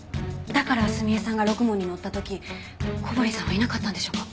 だから澄江さんがろくもんに乗った時小堀さんはいなかったんでしょうか。